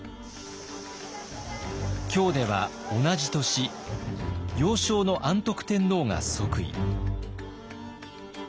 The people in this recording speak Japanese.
京では同じ年幼少の安徳天皇が即位。